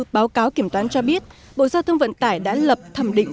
báo cáo kiểm toán cho biết bộ giao thông vận tải đã lập thẩm định